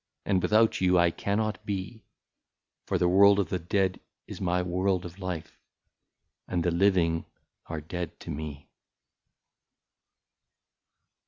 And without you I cannot be ; For the world of the dead is my world of life, And the living are dead to me."